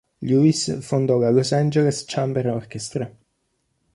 Lewis fondò la Los Angeles Chamber Orchestra.